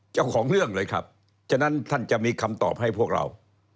เจ้าของเรื่องเลยครับฉะนั้นท่านจะมีคำตอบให้พวกเรา